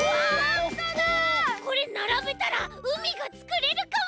これならべたらうみがつくれるかも！